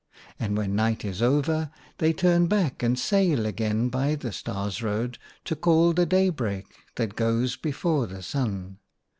And when Night is over, they turn back and sail again by the Stars' Road to call the Daybreak, that goes before the Sun.